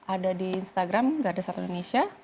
ada di instagram gardasatwaindonesia